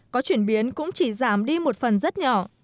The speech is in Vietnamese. có chuyển biến cũng chỉ giảm đi một phần rất nhỏ